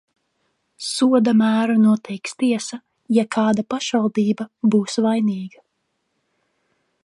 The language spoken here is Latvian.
Soda mēru noteiks tiesa, ja kāda pašvaldība būs vainīga.